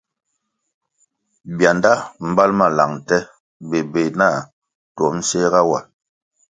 Bianda mbal ma lang nte bébéh na tuom séhga wa.